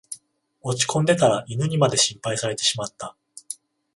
落ちこんでたら犬にまで心配されてしまった